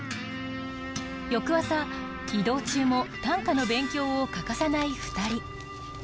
翌朝移動中も短歌の勉強を欠かさない２人。